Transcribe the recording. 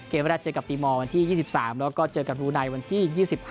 เวลาเจอกับตีมอลวันที่๒๓แล้วก็เจอกับรูไนวันที่๒๕